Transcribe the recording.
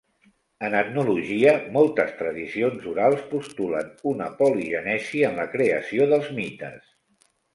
En etnologia moltes tradicions orals postulen una poligènesi en la creació dels mites.